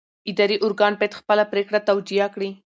اداري ارګان باید خپله پرېکړه توجیه کړي.